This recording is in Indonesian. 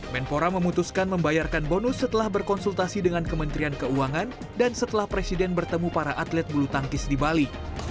menpora memutuskan membayarkan bonus setelah berkonsultasi dengan kementerian keuangan dan setelah presiden bertemu para atlet bulu tangkis di bali